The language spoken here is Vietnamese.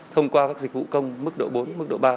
thông qua các dịch vụ công mức độ bốn mức độ ba